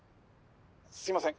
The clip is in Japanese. すいません